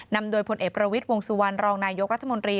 นำโดยพลเอกประวิทย์วงสุวรรณรองนายกรัฐมนตรี